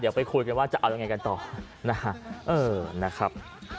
เดี๋ยวไปคุยกันว่าจะเอายังไงกันต่อนะฮะเออนะครับ